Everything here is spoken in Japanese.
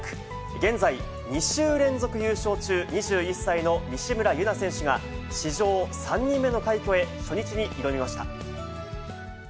現在、２週連続優勝中、２１歳の西村優菜選手が、史上３人目の快挙へ、初日へ挑みました。